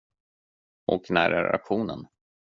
Och när är auktionen?